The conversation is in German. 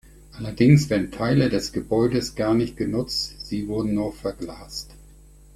Allerdings werden Teile des Gebäudes gar nicht genutzt, sie wurden nur verglast.